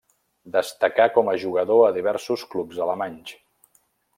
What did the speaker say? Destacà com a jugador a diversos clubs alemanys.